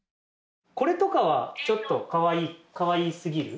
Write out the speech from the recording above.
これとかはちょっとかわい過ぎる？